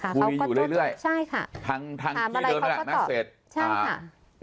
เขาก็ต้องใช่ค่ะหาเมื่อเขาก็ตอบใช่ค่ะ